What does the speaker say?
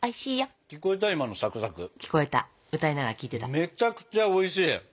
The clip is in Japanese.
めっちゃくちゃおいしい。